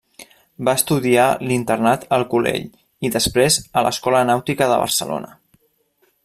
Va estudiar l'internat El Collell i després a l'Escola Nàutica de Barcelona.